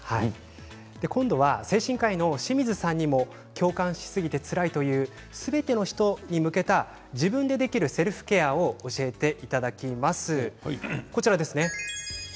今度は精神科医の清水さんにも共感してつらいというすべての人に向けた自分でできるセルフケアを教えていただきます。